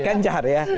kan jahat ya